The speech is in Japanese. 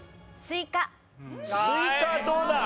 スイカどうだ？